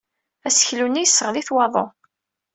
Aseklu-nni yesseɣli-t waḍu.